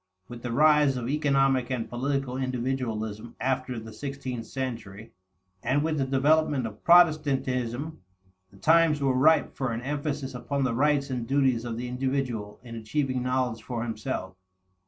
With the rise of economic and political individualism after the sixteenth century, and with the development of Protestantism, the times were ripe for an emphasis upon the rights and duties of the individual in achieving knowledge for himself.